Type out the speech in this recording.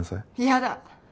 嫌だ。